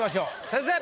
先生！